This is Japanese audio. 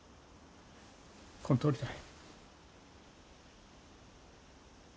こんとおりたい。